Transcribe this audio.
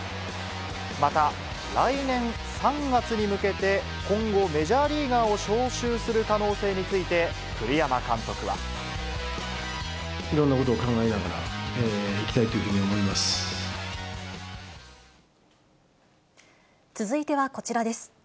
また、来年３月に向けて、今後、メジャーリーガーを招集する可能性について、栗山監督は。いろんなことを考えながらい続いてはこちらです。